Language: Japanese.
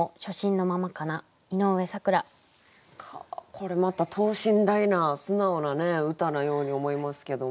これまた等身大な素直な歌のように思いますけども。